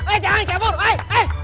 eh jangan kebur woi